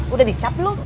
udah dicap lu